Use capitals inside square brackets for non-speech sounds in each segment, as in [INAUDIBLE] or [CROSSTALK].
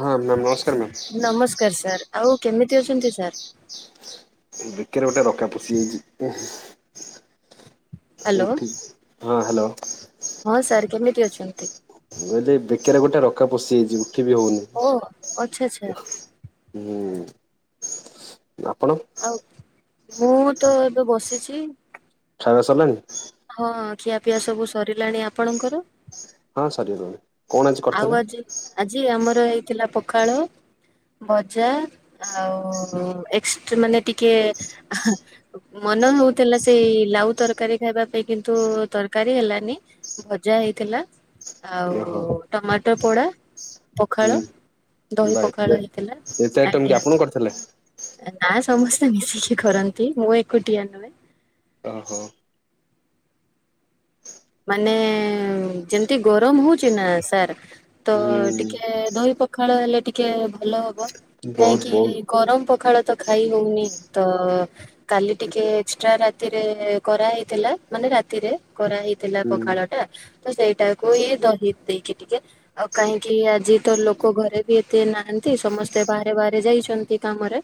ହଁ ମ୍ୟାମ୍ ନମସ୍କାର ମ୍ୟାମ୍ ନମସ୍କାର ସାର୍। ଆଉ କେମିତି ଅଛନ୍ତି ସାର୍? ବିକିରେ ଗୋଟେ ରକା ପଷିଯାଇଛି। ହାଲୋ ଉଠି। ହଁ ହାଲୋ। ହଁ ସାର୍ କେମିତି ଅଛନ୍ତି? ମୁଁ କହିଲି ବେକେରେ ଗୋଟେ ରକା ପଶିଯାଇଚି। କିଛି ବି ହଉନି ଓ ଆଚ୍ଛା ଆଚ୍ଛା ହୁଁ। ଆପଣ? ଆଉ ମୁଁ ତ ଏବେ ବସିଛି। ଖାଇବା ସରିଲାଣି। ହଁ ଖିଆପିଆ ସବୁ ସରିଲାଣି ଆପଣଙ୍କର? ହଁ ସରି ଗଲାଣି। ଆଉ ଆଜି ଆଜି ଆମର ହେଇଥିଲା ପଖାଳ ଭଜା ଆଉ ଏସ୍ ମାନେ ଟିକେ ମନ ହଉଥିଲା ସେଇ ଲାଉ ତରକାରୀ ଖାଇବା ପାଇଁ କିନ୍ତୁ ତରକାରୀ ହେଲାନି ଭଜା ହେଇଥିଲା। ଓହୋ ଆଉ। ମଟର ପୋଡ଼ା। ହୁଁ ବା ଏତେ ହେଇଥିଲା ଏତେ ଆଇଟମ୍ କିଏ ଆଜ୍ଞା। ଆପଣ କରିଥିଲେ। ନା ସମସ୍ତେ ମିଶିକି କରନ୍ତି ମୁଁ ଏକୁଟିଆ ନୁହେଁ। ଓହୋ। ମାନେ ଯେମିତି ଗରମ ହଉଚି ନା ସାର୍ ତ ହୁଁ ଟିକେ ଦହି ପଖାଳ ହେଲେ ଟିକେ ଭଲ ହବ। ବହୁତ କାହିଁକି ବହୁତ ଗରମ ପଖାଳ ତ ଖାଇ ହଉନି ତ କାଲି ଟିକେ ଏକ୍ସଟ୍ରା ରାତିରେ କରାହେଇଥିଲା ମାନେ ରାତିରେ କରାହେଇ। ଥିଲା ହୁଁ ପଖାଳ ଟା ତ ସେଇଟାକୁ ଇ ଦହି ଦେଇକି ଟିକେ ଆଉ କାହିଁକି ଆଜି ତ ଲୋକ ଘରେ ବି ଏତେ ନାହାନ୍ତି ସମସ୍ତେ ବାହାରେ ବାହାରେ ଯାଇଛନ୍ତି କାମରେ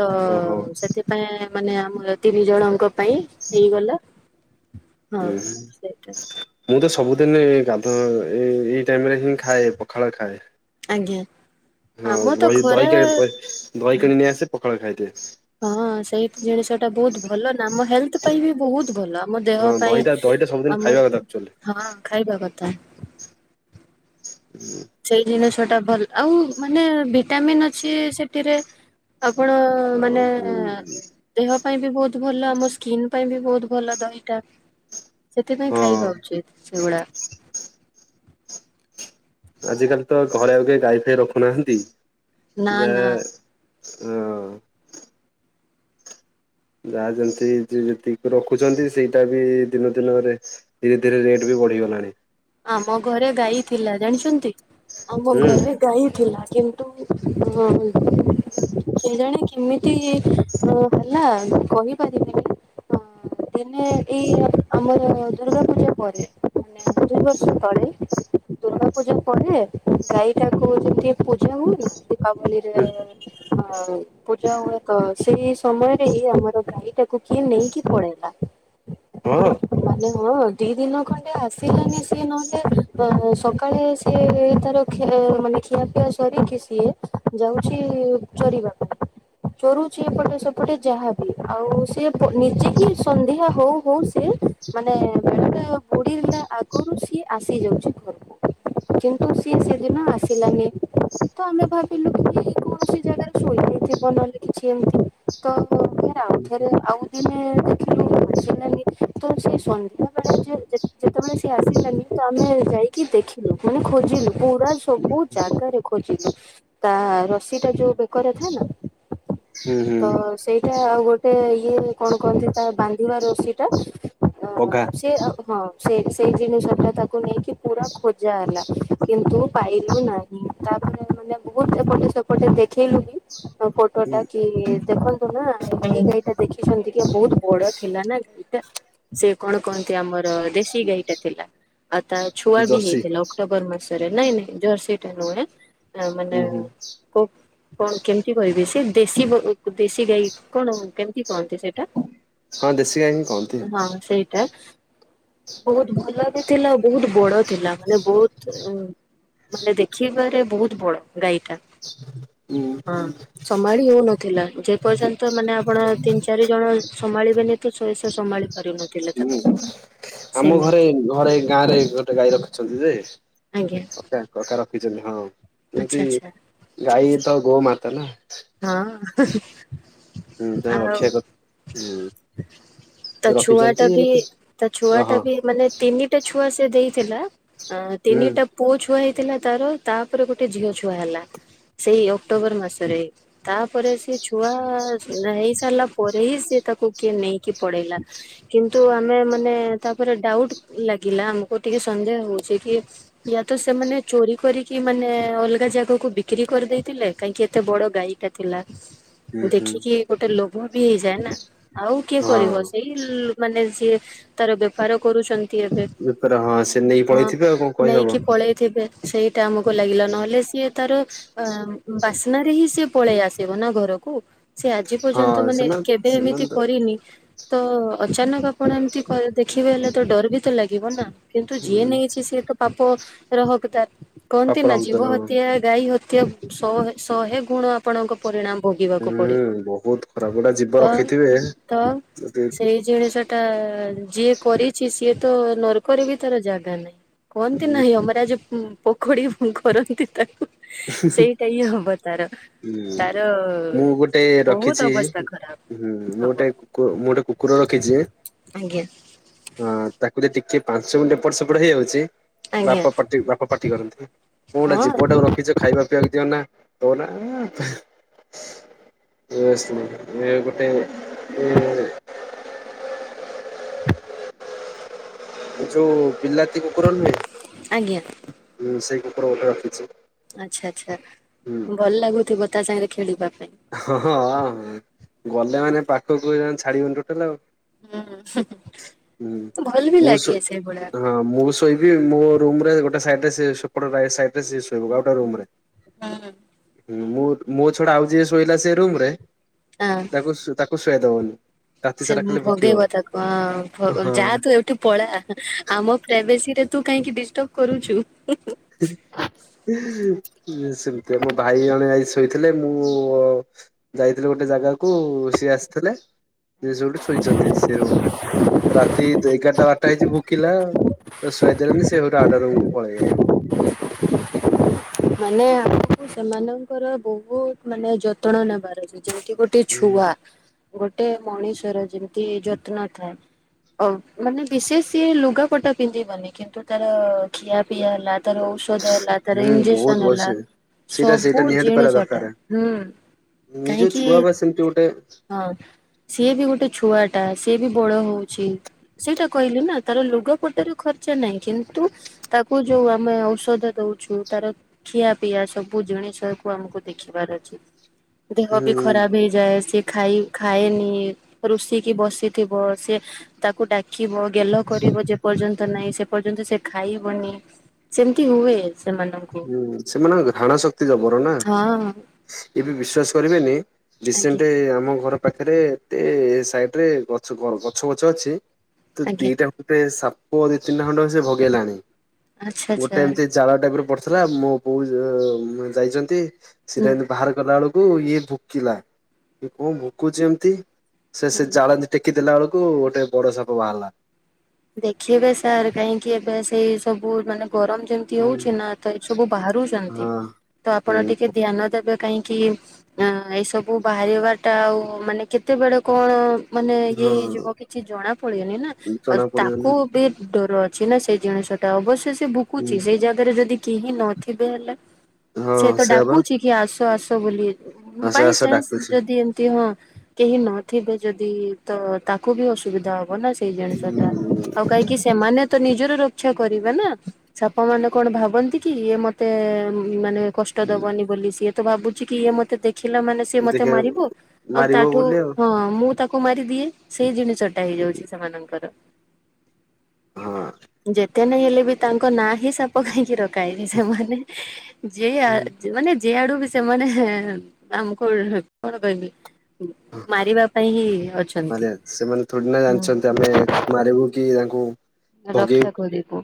ତ ଓହୋ ସେଥିପାଇଁ ମାନେ ଆମ ତିନି ଜଣଙ୍କ ପାଇଁ ହେଇଗଲା। ହଁ ହୁଁ ସେଇଟା ମୁଁ ତ ସବୁଦିନ ଗାଧୁଆ ଏ ଏଇ ଟାଇମ ରେ ହିଁ ଖାଏ ପଖାଳ ଖାଏ। ଆଜ୍ଞା ଆମ ତ ହଁହି ଖରା ଦହି ଦହି କିଣି ନେଇ ଆସେ। ଖରେ ଖାଇଦେ ହଁ ସେଇ ଜିନିଷ ଟା ବହୁତ ଭଲ ନା ଆମ ହେଲ୍ଥ ପାଇଁ ବି ବହୁତ ଭଲ ଆମ ଦେହ ହଁ ପାଇଁ ଦହିଟା ଦହିଟା ସବୁଦିନ ଆମ ଖାଇବା କଥା ଆକ୍ଚୁଆଲି। ହଁ ଖାଇବା କଥା ତା ସେଇ ଦିନ ଟା ଭଲ ଆଉ ମାନେ ଭିଟାମନ୍ ଅଛି ସେଠରେ ଆପଣ ଆଉ ମାନେ ହୁଁ ଦେହ ପାଇଁ ବି ବହୁତ ବହୁତ ଭଲ ଆମ ସ୍କିନ୍ ପାଇଁ ବି ବହୁତ ଭଲ ଦହିଟା ସେଥିପାଇଁ ହଁ ଖାଇବା ଉଚିତ ସେଗୁଡା ଆଜିକାଲି ତ ଘରେ ଆଉ କେ ଗାଈ ଫାଇ ରଖୁନାହାନ୍ତି। ନା ଯେ ନା ହଁ ଯାହା ଯେମିତି ଯେତିକି ରଖୁଛନ୍ତି ସେଇଟା ବି ଦିନ ଦିନରେ ଧୀରେ ଧୀରେ ରେଟ୍ ବି ବଢିଗଲାଣି ଆ ମ ଘୋରେ ଗାଇ ଥିଲା ଜାଣିଛନ୍ତି। ଆମ ହୁଁ ଘରେ ଗାଈ ଥିଲା। କିନ୍ତୁ ସେ ଜଣେ କେମିତି ହେଲା ମୁ କହିପାରିବିନି ଦିନେ ଏଇ ଆମର ଦୁର୍ଗା ପୂଜା ପରେ ମାନେ ଦ ଦୁଇ ବର୍ଷ ପରେ ଦୁର୍ଗା ପୂଜା ପରେ ଗାଈ ଟାକୁ ଯମି ଟ ପୂଜା ହୁନ ଦୀପାବଳିର ହୁଁ ଆ ଯ ହୁଏ ତ ସେଇ ସମୟରେ ହିଁ ଆମର ଗାଈ ଟାକୁ କିଏ ନେଇକି ପଳେଇଲା ହଁ। ମାନେ ହ ଦିନ ଖଣ୍ଡେ ଆସି ିଲାନି ସିଏ ନହେଲେ ଅ ସକାଳେ ସିଏ ତାର ମାନେ ଖିଆପିଆ ସରିକି ସିଏ ଯାଉଛି ଚରିବା ପାଇଁ ଚରୁଛି ଏପଟେ ସେପଟେ ଯାହାବି ଆଉ ସିଏ ନିଜେ ହି ସନ୍ଧ୍ୟା ହଉ ହଉ ସି ମାନେ ବେଳେ ବୁଡି ଆଗରୁ ସିଏ ଆସିଯାଉଛି ଘରକୁ କିନ୍ତୁ ସିଏ ସେଦିନ ଆସିଲାନି ତ ଆମେ ଭାବିଲୁ କି କୌଣସି ଜାଗାରେ ଶୋଇଥିବ ନହେଲେ କିଛି ଏମିତି ତ ଫ ଆଉ ଫରେ ଆଉ ଦିନ ଦେଖିଲ ତ ସେ ସନ୍ଧ୍ୟାବେଳେ ଯେତେବେଳେ ସେ ଆସିଲାନି ତ ଆମେ ଯାଇକି ଦେଖିଲୁ ମାନେ ଖୋଜିଲୁ ପୁରା ସବୁ ଜାଗାରେ ଖୋଜିଲୁ ତା ରସି ଟା ଯୋଉ ବେକରେ ଥାଏ ନା ହୁଁ ହୁଁ ତ ସେଇ ଏ ଆଉ ଗୋଟେ ଇଏ କଣ କହନ୍ତି ତା ବାନ୍ଧିବା ରଶି ଟା ଅ ପଘା ସେ ହଁ ସେ ସେଇ ଜିନିଷ ଟା ତାକୁ ନେଇକି ପୁରା ଖୋଜା ହେଲା କିନ୍ତୁ ପାଇଲୁ ନାହିଁ ତାପରେ ମାନେ ବହୁତ ଏପଟେ ସେପଟେ ଦେଖିଲୁ ବି ଫଟୋଟା କି ଦେଖନ୍ତୁ ନା ଏ ଗାଈ ଟା ଦେଖିଛନ୍ତି କି ବହୁତ ବଡ ଥିଲା ନା ଗାଈ। ସେ କଣ କହନ୍ତି ଆମର। ଦେଶୀ ଗାଈ ଥିଲା ଆଉ ତା ଛୁଆ ବି ଜର୍ସି ହେଇଥିଲା ଅକ୍ଟୋବର ମାସ ନାଇଁ ନାଇଁ ଜର୍ସି ଟ ନୁ ଆ ମାନେ ହୁଁ ହୁଁ କୁ କଣ କେମିତି କହିବି ସେ ଦେଶୀ ଦେଶୀ ଗାଈ କଣ କେମିତି କୁହନ୍ତି ସେଇଟା ହଁ ଦେଶୀ ଗାଈ ହିଁ କହନ୍ତି। ହଁ ସେଇଟା। ବହୁତ ଭଲ ବି ଥିଲା ବହୁତ। ବଡ ଥିଲା ମାନେ ବହୁତ ମାନେ ଦେଖିବାରେ ବହୁତ ବଡ ଗାଈଟା। ଉଁ ହଁ ସମ୍ଭାଳି ହଉନଥିଲା ଯେ ପର୍ଯ୍ୟନ୍ତ ମାନେ ଆପଣ ତିନି ଚାରି ଜଣ ସମ୍ଭାଳିବେନି ତ ଶ ସୋମାଳି କରିନଥିଲେ ତାକୁ ହୁଁ ଆମ ଘରେ ସେମିତି ଘରେ ଗାଁ ରେ ଗୋଟେ ଗାଈର ଅଛନ୍ତି ଯେ ଆଜ୍ଞା ତାର। ଖିଚନ୍ତି ହଁ ଆଚ୍ଛା ଏମିତି ଆଚ୍ଛା ଗାଈ ତ ଗୋମାତା ନା। ହୁଁ ତାଙ୍କ ହ ଆଉ ରଖିବା କଥା ହୁଁ ତା ଛୁଆ ରଖିଛନ୍ତି ଟା ବି ଏମିତି ତା ଛୁଆ ଓହୋ ଟା ବି ମାନେ ତିନିଟା ଛୁଆ ସେ ଦେଇ ଥିଲା ଅ ହୁଁ ତିନିଟା ପୁଅ ଛୁଆ। ଥିଲା ତାର ତାପରେ ଗୋଟେ ଝିଅ ଛୁଆ ହେଲା। ସେଇ ଅକ୍ଟୋବର ମାସରେ। ତାପରେ ସେ ଛୁଆ ହେଇ ସାରିଲା ପରେ ହିଁ ସେି ତାକୁ କିଏ ନେଇକି ପଡେଇଲା କିନ୍ତୁ ଆମେ ମାନେ ତାପରେ ଡାଉଟ ଲାଗିଲା ଆମକୁ ଟିକେ ସନ୍ଦେହ ହଉଛି କି ୟା ତ ସେମାନେ ଚୋରି କରିକି ମାନେ ଅଲଗା ଜାଗାକୁ ବିକ୍ରି କରିଦେଇଥିଲେ କାହିଁକି ଏତେ ବଡ ଗାୟିକା ଥିଲା। ହୁଁ ହୁଁ ଦେଖିକି ଗୋଟେ ଲ ମୁଁ ବି ହେଇଯାଏ ନା ଆଉ କିଏ କରିବ ହଁ। ସେଇ ମାନେ। ସିଏ ତାର ବ୍ୟବହାର କରୁଛନ୍ତି। ଏବେ। ବପାର ହଁ ସେ ନେଇକି ପଳେଇଥିବେ ଆଉ କଣ କହିହବ? ସେଇଠି ତେ ଆମକୁ ଲାଗିଲା ନହେଲେ ସିଏ ତାର ଅ ବାସ୍ନାରେ ହିଁ ସେ ପଳେଇ ଆସିବ ନା ଘରକୁ ସେ ଆଜି ହଁ ପର୍ଯ୍ୟନ୍ତ ମାନେ ସେମାନେ କେବେ ଏମିତି ସେମାନେ ତ କରିନି ତ ଅଚାନକ ଆପଣ ଏମତି ଦେଖିବେ ହେଲେ ତ ଡର ବି ତ ଲାଗିବ ନା କିନ୍ତୁ ଯିଏ ହୁଁ ନେଇଛି ସିଏ ତ ପାପ ର ହତାର କଣନ୍ତି ପାପର ନଜିବୋ ହନ୍ତନ ହଁ ହତି ଗାଈ କେ ଶହେ ଶହେ ଗୁଣ ଆପଣଙ୍କ ପରିଣାମ ଭୋଗିବାକୁ ପଡିବ ହୁଁ ବହୁତ ଖରାପ ଗୋଟା ଜୀବ ତ ରଖିଥିବେ ତ ଯଦି ସେଇ ଜିନିଷ ଟା ଯିଏ କରିଛି ସିଏ ତ ନର୍କରେ ବି ତାର ଜାଗା ନାହିଁ। କୁହନ୍ତି ହୁଁ ନାହିୟମରାଜ ପୋଖଡ଼ି କରନ୍ତି ତାକୁ ସେଇଟା ହିଁ ହବ ତାର ହଁ ତାର ମୁଁ ଗୋଟେ ବହୁତ ରଖିଛି ଅବସ୍ଥା ଖରାପ ହୁଁ ମୁଁ ହବ ଗୋଟେ କୁ ମୁଁ ଗୋଟେ କୁକୁର ରଖିଛି ଆଜ୍ଞା ହ ତାକୁ କୋଧ ଟିକେ ପାଞ୍ଚଛ ମଣ୍ଟ ପଟ ସେପଟ ହେଇଯାଉଛି। ଆଜ୍ଞା ବାପଟି ବାପ ପାଟି କରନ୍ତି ମୁଁ ଗୋଟେ ହଁ ଯିବଟା ର ଖାଇବା ପିଇବାକୁ ଦିଅ ନା ହ ନା ଗୋଟେ ଯଉ ପିଲା କୁକୁରଣଁ ଆଜ୍ଞା ସେଇ ପ୍ରଉ୍ ରଖିଛି। ଆଚ୍ଛା ଆଚ୍ଛା ଭଲ ଲାଗୁଥିବ। ତା ସାଙ୍ଗରେ ଖେଳିବା ପାଇଁ ହଁଁ ହଁ ଗଲେ ମାନେ ପାଖକୁ ଛାଡିବନ ଟୋଟାଲ ଆଉ ହୁଁ ଉ ହୁଁ ହୁଁ ଭଲ ବି ଲାଗେ ସେଇଭଳିଆ କି ମୋ ରୁମ ରେ, ଗୋଟେ ସାଇଡ ରେ ସେ ସେପଟ ରାଇଟ ସାଇଡ ରେ ସେ ଶୋଇବ ଆଉ ଗୋଟା ରୁମ ରେ ହୁଁ ମୋ-ମୋ ଛଡା ଆଉ ଯିଏ ସୋ ଶୋଇଲା ସେ ରୁମ ରେ ହଁ ତାକୁ ତାକୁ ସୁ ସେ ଦବନି ରାତି ସେ ସାରା ଖାଲି ଭୁକିବ ଭଗେଇବ ତାକୁ ହଁ ଯାହା ତୁ ଏଇଠୁ ପଳା ଆମ ପ୍ରାଇଭେସିରେ ତୁ କାହିଁକି ଡିଷ୍ଟଟର୍ବ କରୁଚୁ? ହିଁ ହିଁ ହିଁ ଇ ଇ ଇ ସିଏ ସେମିତିଆ ମୋ ଭାଇ ଜଣେ ଆଜି ଶୋଇଥିଲେ ମୁଁ ଉ ଉ ଯାଇଥିଲି ଗୋଟେ ଜାଗାକୁ ଉ ସିଏ ଆସିଥିଲେ। ସିଏ ସେଠୁ ଶୋଇଛନ୍ତି ସେ ରୁମରେ, ରାତି ଏଗାର ଟା ବାରଟା ହେଇଛି ଭୁକିଲା ଆଉ ସୁଆଇ ଦେଲାନି ସେ ସେଠୁ ଆଉ ଗୋଟା ରୁମ କୁ ପଳେଇଗଲେ। ମାନେ ଆମକୁ ସେମାନଙ୍କର ବୋହୁତ ମାନେ ଯତ୍ନ ନବାର ଅଛି। ଏଇଠି ଗୋଟେ ହୁଁ ଛୁଆ ଗୋଟ ଗୋଟେ ମଣିଷର ଯେମିତି ଯତ୍ନ ଥାଏ ଅ ମାନେ ବିଶେଷ ସିଏ ଲୁଗାପଟା ପିନ୍ଧିବନି କିନ୍ତୁ ତାର ଖିଆ ପିଆ ହେଲା। ତାର ଔଷଧ ହେଲା ତାର ହୁଁ ବହୁତ ଇନଜେସନ ହେଲା ବସେ ସେଇଟା ସବୁ ସେଇଟା ନିହାତି କରିବା ଜିଣିଷ ଟା ଦରକାର। ହୁଁ ନିଜ କାହିଁକି ଛୁଆ ବା ସେମିତି ଗୋଟେ [INAUDIBLE] ହଁ ସିଏ ବି ଗୋଟେ ଛୁଆଟା ଆ ସିଏ ବି ବଡ ହଉଛି ସେଇଟା କହିଲି ନା ତାର ଲୁଗାପଟାରେ ଖର୍ଚ ନାଇ କିନ୍ତୁ ତାକୁ ଯୋଉ ଆମେ ଔଷଧ ଦଉଛୁ ତାର ଖିଆ ପିଆ ସବୁ ଜିଣିଷ କୁ ଆମକୁ ଦେଖିବାର ଅଛି। [INAUDIBLE] ଦେହ ବି ହୁଁ ଖରାପ ହେଇଯାଏ। ସେ ଖାଇ ଖାଏନି ଇ ରୁଷିକି ବସିଥିବ। ସେ ତାକୁ ଡାକ ଡାକିବ ଗେଲ କରିବ ଯେପର୍ଯ୍ୟନ୍ତ ନାଇଁ ସେ ଯେ ପର୍ଯ୍ୟନ୍ତ ସେ ଖାଇବନି ସେମିତି ହୁଏ। ସେମାନଙ୍କୁ ହୁଁ ସେମାନଙ୍କ ଘ୍ରାଣା ଶକ୍ତି ଜବର ନା ହଁ [INAUDIBLE] ଏବେ ବିଶ୍ଵାସ କରିବେନି ଏ ଆଜ୍ଞା ରିସେଣ୍ଟେ, ଆମ ଘର ପାଖେରେ। ଏ ଏ ସାଇଟ ରେ ଗଛ ଗଛ ଗଛ ଅଛି ଇ ତ ଆଜ୍ଞା ଦିଇଟା ଗୋଟେ ସାପ ପ ଦିଇ ତିନି ଟା ଖଣ୍ଡ ଭଗେଇଲାଣି ଆଚ୍ଛା ଗୋଟେ ଆଚ୍ଛା ଏମତି ଜାଳ ଟାଇପ ର ହେଲା ମୋ ବୋଉ ଜ ଅ ଯାଇଚନ୍ତି। ସେଇଟା ହୁଁ ଏମତି ବାହାର କଲା ବେଳକୁ ଓ ଇଏ ଭୋକିଲା କି କଣ ଭକୁଛି ଏମତି ସେ ସେ ହୁଁ। ଜାଳନ୍ତି ଟେକି ଦେଲା ବେଳକୁ କୁ ଗୋଟେ ବଡ ସାପ ବାହାରିଲା। ଦେଖିଵେ ସାର୍ କାହିଁକି ଏବେ ସେଇ ସବୁୁର ମାନେ ଗରମ ଯେମିତି ହଉଛି ନା ହଁ ତ ଏ ସବୁ ବାହାରୁଛନ୍ତି ତ ଆପଣ ଟିକେ ଧ୍ୟାନ ଦେବେ କାହିଁକି ଏଇସବୁ ବାହାରିବାଟା ଆଉ ମାନେ କେତେବେଳେ କଣ? ମାନେ ଇଏ ହେଇଯିବ ହଁ କିଛି ଜଣା ପଡିବନି ନା। ଜଣା ତାକୁ ପଡିଗଲା। ବି ଡ଼ର ଅଛି ନା ସେଇ ଜିନିଷ ଟା ଅବଶ୍ୟ ଭୁକୁଛି ସେଇ ଜାଗାରେ ଯଦି କେହିିଁ ନଥିବେ ହେଲେ ହଁ ସେ ତ ସେୟା ବା ଡାକୁଛି କି ଆସୁ ତ ଆସ ବୋଲି। ଆସ ଆସ ବାଇଚାନ୍ସ ଡାକୁଛି। ଯଦି ଏମିତି ହଁ କେହି ନଥିବେ ଯଦି ତ ତାକୁ ବି ଅସୁବିଧା ହବ। ହବ ନା ସେଇ ଜଣେ ସାର୍ ଆଉ କାହିଁକି ସେମାନେ ତ ନିଜର ରକ୍ଷା କରିବେ ନା ସାପ ମାନେ କଣ ଭାବନ୍ତି କି ଇଏ ମତେ ମାନେ କଷ୍ଟ ଦବନି ବୋଲି ସିଏ। ଭାବୁଛି କି ଇଏ ମତେ ଦେଖ ଖିଲା ମାନେ ସି ମତେ ଦେଖିଆ ମାରିବୁ ଆଉ ମାରିବ ତାଠୁ ବୋଲି ଆଉ ହଁ ମୁଁ ତାକୁ। କୁ ମାରୀ ଦିଏ। ସେଇ ଜିନିଷଟା ହେଇଯାଉଛି ସେମାନଙ୍କର। ହଁ। ଯେ ହତ ନା ହେଲେ ବି ତାଙ୍କ ନାଁ ହିଁ ସାପ କାହିଁକି ରଖିବ। କାଇଁ ସେମାନେ ଯେ ଆଜ ମାନେ ଯିଆଡୁ ବି ସେମାନେ ଆମକୁ କଣ କହିବେ। ମାନେ ସେମାନେ ଥୋଡ଼ି ନା ହୁଁ ଜାଣିଛନ୍ତି ଆମେ ମାରିବୁ। କି ତାଙ୍କୁ। ରକ୍ଷା ଭଗେଇବୁ। କରିବୁ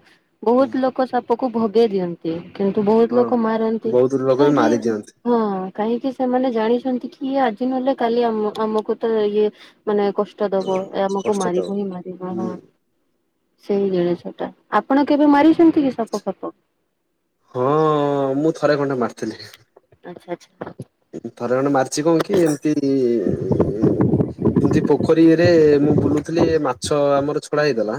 ବହୁତ ଲୋକ ସାପ ପକୁ ଭୋଗେଇ ଦିଅନ୍ତି। କିନ୍ତୁ ବହୁତ ହଁ ଲୋକ ମାରନ୍ତି ବହୁତ ଲୋକ ବି କାହିଁକି ମାରି ଦିଅନ୍ତି। ହଁ କାହିଁକି ସେମାନେ ଜାଣିଛନ୍ତି କି ଇଏ ଆଜି ନହେଲେ କାଲି ଆମକୁ ତ ଇଏ ମାନେ କଷ୍ଟ ଦବ ଏ ଆମକୁ କଷ୍ଟ ତ ମାରିବ ହିଁ ମାରିବା। ହୁଁ ସେଇ ଜଣ ଛୋଟା ଆପଣ କେବେ ମାରିଛନ୍ତି କି ସାପ ଫାପ। ହଁ ମୁଁ ଥରେ ଖନଡେ ମାରିଥିଲି। ଆଚ୍ଛା ଆଚଛା। ଥରେ ଜଣେ ମାରିଛି କଣ କି ଏମତି ଏମିତି ପୋଖରୀରେ ମୁଁ ବୁଲୁଥିଲି ମାଛ ଆମର ଛଡା ହେଇଗଲା।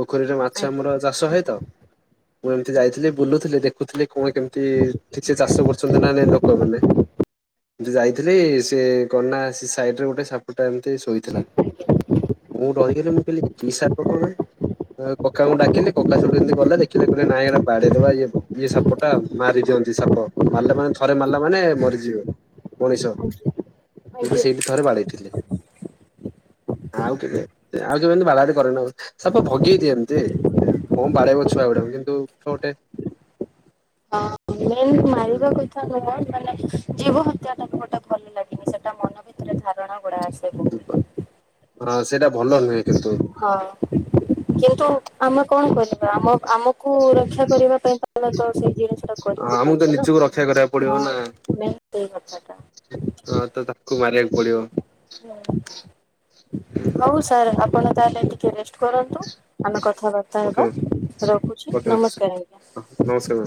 ପୋଖରୀରେ ମାଛ ଆମର ଆଜ୍ଞା। ଚାଷ ହୁଏତ। ମୁଁ ଏମିତି ଯାଇଥିଲି ବୁଲୁଥିଲି ଦେଖୁଥିଲି କଣ କେମତି କିେ ଚାଷ କରୁଛନ୍ତି ନା ଲୋକମାନୋନ ଯାଇଥିଲେି ସେ କନା ସାଇଡରେ ଗୋଟେ ସାପଟା ତେ ଶୋଇଥିଲା ମୁଁ ଡରିଗଲି ମୁଁ କହିଁଲି। କି ସାପ କଣ କକାଙ୍କୁ ଡାକିଲେ କକା ସଠୁ ଯେମିତି ଗଲେ ଦେଖିଲେ କହିଲେ ନାଇଁ ଏଇଟା ବାଡେଇଦବା ଇ ଇଏ ସାପ ଟା ମାରି ଦିଅନ୍ତି ସାପ ମାରିଲେ ମାନେ। ଥରେ ମାରିଲା ମାନେ ମରିଯିବ ଉଣେଇଶ ମୁଁ ବି ଆଜ୍ଞା ସେଇଠି ଥରେ ବାଡ଼େଇଥିଲି ଆଉ କେେ ଆଉ କେତି ବା କରରେନ ସପ ଭଗେଇଦିଏ ଏମିତି କଣ ବାଡେଇବ ଛୁଆ ଗୁଡା କିନ୍ତୁଟେ ହଁ ମ ମାରିବା କଥା ନ କ ମାନେ ଜୀବ ହତ୍ୟା ଟାକୁ ଗୋଟେ ଭଲ ଲାଗନି ସେଟା ମନ ଭିତରେ ଧାରଣା। ଗଳାାସେବୁ ହଁ ସେଇଟା। ଭଲ ନୁହେଁ କିନ୍ତୁ ହଁ କିନ୍ତୁ ଆମ କଣ କରିବା ଆମ ଆମକୁ କୁ ରକ୍ଷା କରିବା ପାଇଁ ତ ତ ସେ ୟ ଅଛି। ହ ଆମକୁ ତ ନିଜକୁ ରକ୍ଷା କରିବାକୁ ପଡିବ ନା ମେନ୍ ସେଇ କଥାଟା। ହଁ ତ ତାକୁ ମାରିବାକୁ ପଡିବ। କଣ ତାହେଲେ ଟିକେ ରେଷ୍ଟ କରନ୍ତୁ ଆ କଥାବାର୍ତ୍ତା ଓକେ ହେବା ମ୍ୟାମ୍ ରଖୁଛି ଓକେ ମ୍ୟାମ୍ ନମସ୍କାର ଆ୍ଞା। ନମସ୍କାର ମ୍ୟାମ୍।